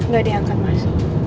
gak diangkat mas